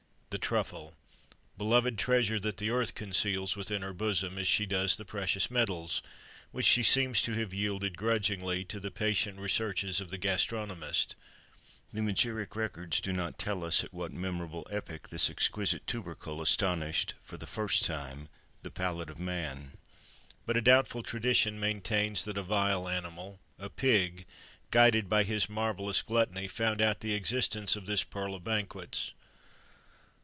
[XXIII 94] The truffle! beloved treasure that the earth conceals within her bosom as she does the precious metals, which she seems to have yielded grudgingly to the patient researches of the gastronomist; the magiric records do not tell us at what memorable epoch this exquisite tubercle astonished, for the first time, the palate of man; but a doubtful tradition maintains that a vile animal (a pig), guided by his marvellous gluttony, found out the existence of this pearl of banquets.